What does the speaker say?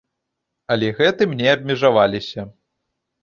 Але гэтым не абмежаваліся.